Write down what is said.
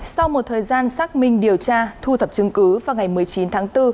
sau một thời gian xác minh điều tra thu thập chứng cứ vào ngày một mươi chín tháng bốn